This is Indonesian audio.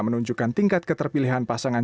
menunjukkan tingkat keterpilihan pasangan